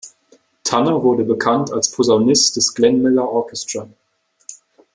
Tanner wurde bekannt als Posaunist des Glenn Miller Orchestra.